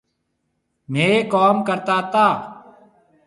ميه ڪوم ڪرتا تا